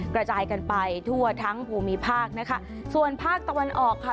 กระจายกันไปทั่วทั้งภูมิภาคนะคะส่วนภาคตะวันออกค่ะ